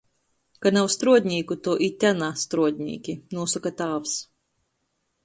"Ka nav struodnīku, to i te na struodnīki," nūsoka tāvs.